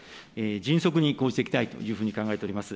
迅速に講じていきたいというふうに考えております。